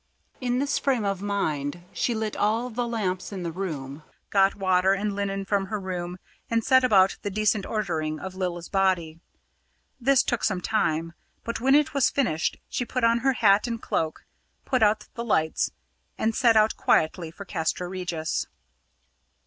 In this frame of mind she lit all the lamps in the room, got water and linen from her room, and set about the decent ordering of Lilla's body. This took some time; but when it was finished, she put on her hat and cloak, put out the lights, and set out quietly for Castra Regis.